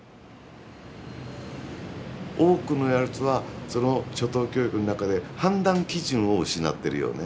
多くのやつはその初等教育の中で判断基準を失ってるよね。